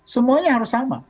semuanya harus sama